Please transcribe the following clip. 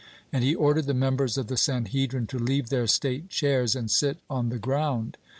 And he ordered the members of the Sanhedrin to leave their state chairs and sit on the ground.